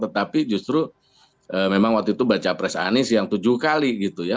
tetapi justru memang waktu itu baca pres anies yang tujuh kali gitu ya